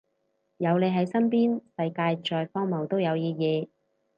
有你喺身邊，世界再荒謬都有意義